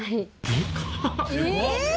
でかっ！